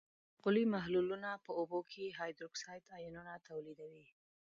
القلي محلولونه په اوبو کې هایدروکساید آیونونه تولیدوي.